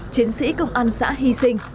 tiến sĩ công an xã hy sinh